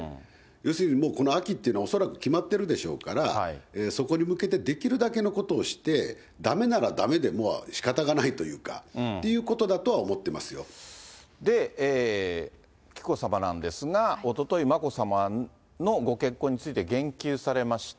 要するにこの秋っていうのは、恐らく決まってるでしょうから、そこに向けて、できるだけのことをして、だめならだめで、もうしかたがないというか、紀子さまなんですが、おととい、眞子さまのご結婚について言及されました。